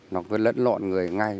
nó cứ lẫn lộn người ngay